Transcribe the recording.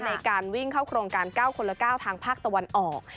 ในการวิ่งเข้าโครงการ๙คนละ๙ทางภาคตะวันออก